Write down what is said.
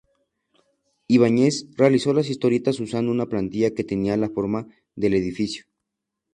Ibáñez realizó las historietas usando una plantilla que tenía la forma del edificio.